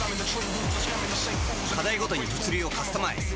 課題ごとに物流をカスタマイズ。